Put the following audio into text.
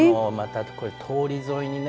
通り沿いにね。